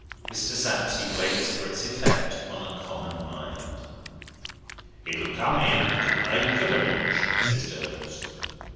Mr. Sapsea waits for its effect on a common mind. "It'll come in to a eighth of a inch," says Durdles.